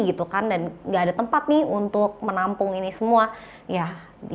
dan tidak ada tempat untuk menampung semua ini